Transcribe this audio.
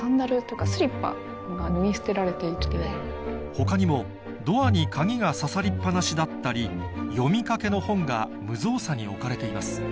他にもドアに鍵が刺さりっ放しだったり読みかけの本が無造作に置かれています